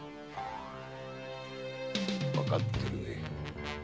わかってるね。